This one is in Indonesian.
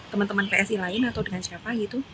teman teman psi lain atau dengan siapa gitu